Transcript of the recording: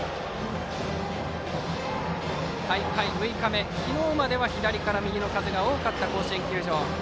大会６日目、昨日までは左から右の風が多かった甲子園球場。